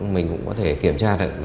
mình cũng có thể kiểm tra được